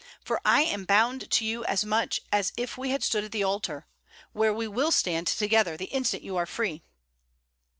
For I am bound to you as much as if we had stood at the altar where we will stand together the instant you are free.'